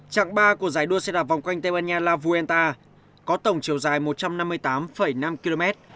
trạng ba của giải đua xe đạp vòng quanh tây ban nha la vuenta có tổng chiều dài một trăm năm mươi tám năm km